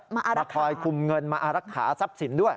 มาคอยคุมเงินมาอารักษาทรัพย์สินด้วย